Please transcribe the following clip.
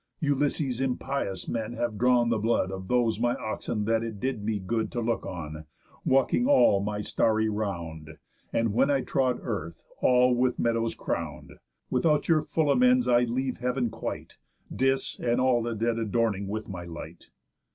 Ulysses' impious men have drawn the blood Of those my oxen that it did me good To look on, walking all my starry round, And when I trod earth all with meadows crown'd. Without your full amends I'll leave heav'n quite, Dis and the dead adorning with my light.